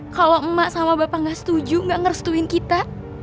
kalo emak sama bapak gak setuju gak ngerestuin kita